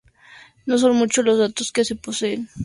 No son muchos los datos que se poseen acerca de su vida.